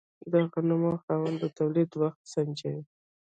د غنمو خاوند د تولید وخت سنجوي.